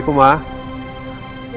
bukan punya andin